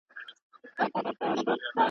تاریخي خواړه ساده خوند لري.